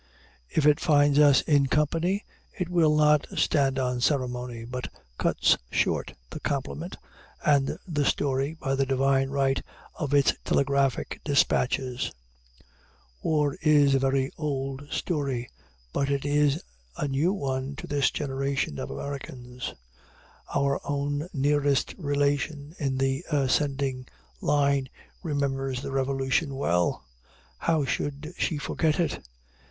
If it finds us in company, it will not stand on ceremony, but cuts short the compliment and the story by the divine right of its telegraphic dispatches. War is a very old story, but it is a new one to this generation of Americans. Our own nearest relation in the ascending line remembers the Revolution well. How should she forget it?